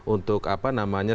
untuk apa namanya